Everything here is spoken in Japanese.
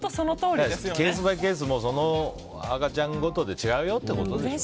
ケースバイケースでその赤ちゃんごとで違うよってことですよね。